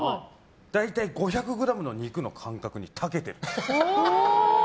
大体５００ｇの肉の感覚に長けてるんですよ。